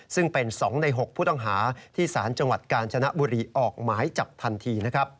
ซึ่งเป็น๒ใน๖ผู้ต้องหาที่สารจังหวัดกาญจนบุรีออกหมายจับทันที